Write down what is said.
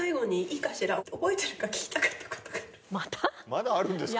まだあるんですか？